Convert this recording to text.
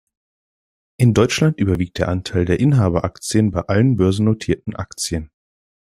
In Deutschland überwiegt der Anteil der Inhaberaktien bei allen börsennotierten Aktien.